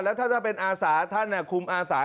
แล้วถ้าเป็นอาสาท่านคุมอาสา